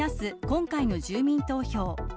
今回の住民投票。